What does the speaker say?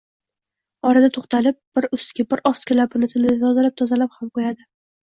Orada to‘xtalib, bir ustki, bir ostki labini tilida tozalab-tozalab ham qo‘yadi